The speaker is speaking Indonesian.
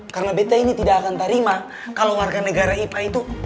karena bt ini tidak akan terima kalau warga negara ipa itu